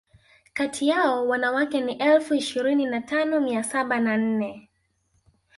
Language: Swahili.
Kati yao wanawake ni elfu ishirini na tano mia saba na nne